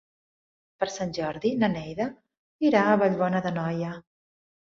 Per Sant Jordi na Neida irà a Vallbona d'Anoia.